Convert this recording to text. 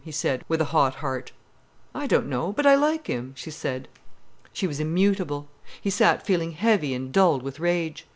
he said, with a hot heart. "I don't know—but I like him," she said. She was immutable. He sat feeling heavy and dulled with rage.